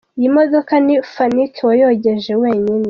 Iyi modoka ni Fanique wayogeje wenyine.